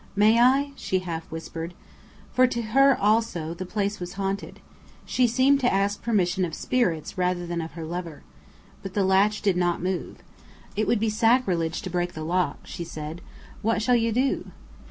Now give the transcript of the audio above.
"May I?" she half whispered. For to her also the place was haunted. She seemed to ask permission of spirits rather than of her lover. But the latch did not move. "It would be sacrilege to break the lock," she said. "What shall you do?"